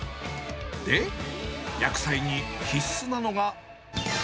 で、焼く際に必須なのが。